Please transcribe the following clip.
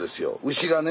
牛がね